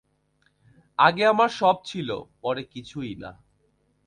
আগে আমার সব ছিলো, পরে কিছুই না।